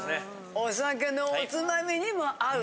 お酒のおつまみにも合う。